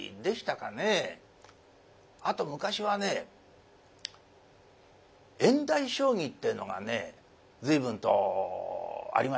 あと昔はね縁台将棋ってえのがね随分とありましたよ。